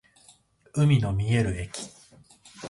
海の見える駅